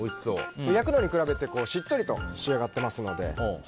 焼くのに比べてしっとりと仕上がってますので。